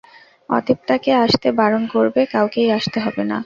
অতএব তাকে আসতে বারণ করবে, কাউকেই আসতে হবে না।